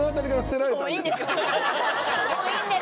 もういいんですよ